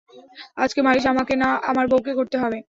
আজকে মালিশ আমাকে না, আমার বউকে করতে হবে।